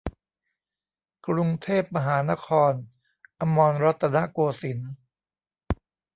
กรุงเทพมหานคร อมรรัตนโกสินทร์